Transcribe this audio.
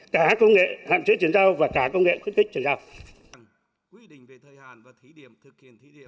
cả công nghệ hạn chế chuyển giao và cả công nghệ khuyến khích chuyển giao